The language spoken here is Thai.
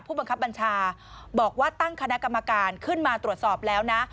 บังคับบัญชาบอกว่าตั้งคณะกรรมการขึ้นมาตรวจสอบแล้วนะ